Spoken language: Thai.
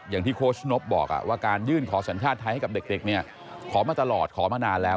อย่างที่โค้ชนบบอกว่าการยื่นขอสัญชาติไทยให้กับเด็กขอมาตลอดขอมานานแล้ว